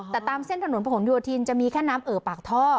แต่ตามเส้นถนนผนโยธินจะมีแค่น้ำเอ่อปากท่อ